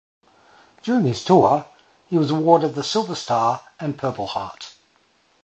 During his tour, he was awarded the Silver Star and Purple Heart.